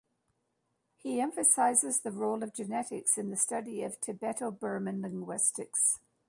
He emphasizes the role of genetics in the study of Tibeto-Burman linguistics.